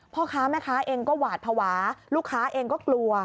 พ่อค้าแม่ค้าเองก็หวาดภาวะลูกค้าเองก็กลัว